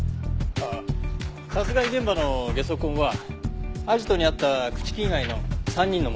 ああ殺害現場のゲソ痕はアジトにあった朽木以外の３人のものでした。